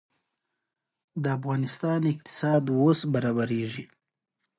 شپږ سوه ميليونه ډالر ته رسېږي.